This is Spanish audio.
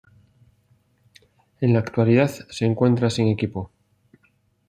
En la actualidad se encuentra sin equipo.